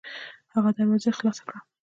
هغې دروازه خلاصه کړه.